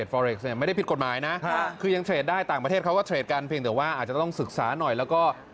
เวลาเบิร์ตไม่ได้ตังค์เบิร์ตต้องทวงใครก่อน